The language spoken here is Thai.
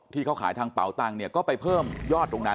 ที่เขาขายทางเป๋าตังค์เนี่ยก็ไปเพิ่มยอดตรงนั้น